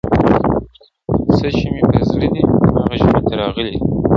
څه چي مي په زړه دي هغه ژبي ته راغلي دي ..